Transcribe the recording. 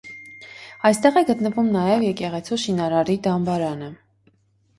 Այստեղ է գտնվում նաև եկեղեցու շինարարի դամբարանը։